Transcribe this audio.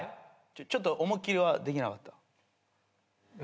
ちょっと思いっきりはできなかった？